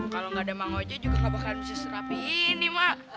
kalo ga ada emang oji juga ga bakalan bisa serapiin nih ma